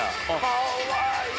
かわいい！